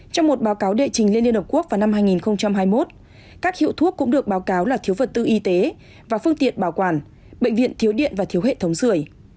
trong một báo cáo đệ trình liên hợp quốc vào năm hai nghìn hai mươi một các hiệu thuốc cũng được báo cáo là thiếu vật tư y tế và phương tiện bảo quản bệnh viện thiếu điện và thiếu hệ thống sửa